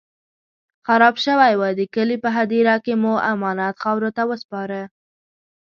خراب شوی و، د کلي په هديره کې مو امانت خاورو ته وسپاره.